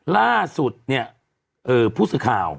ล่าสุดผู้สื่อข่าว